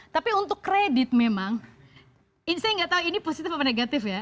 tapi untuk kredit memang ini saya nggak tahu ini positif apa negatif ya